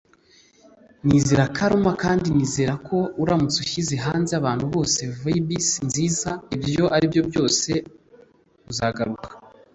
nizera karma, kandi ndizera ko uramutse ushyize hanze abantu bose vibis nziza, ibyo aribyo byose uzagaruka